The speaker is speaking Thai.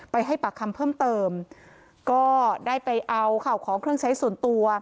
ให้ปากคำเพิ่มเติมก็ได้ไปเอาข่าวของเครื่องใช้ส่วนตัว